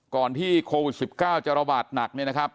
ก่อนที่โควิด๑๙จะระบาดหนักเนี่ยนะครับ